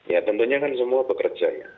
ya tentunya kan semua bekerja ya